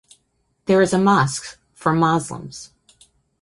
There is a Mosque for Moslems.